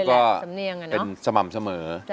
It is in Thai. ก็เป็นสม่ำเสมอ